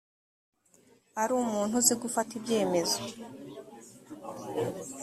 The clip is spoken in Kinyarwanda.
ari umuntu uzi gufata ibyemezo